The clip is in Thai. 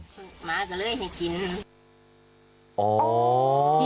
หมาก็เลยให้กิน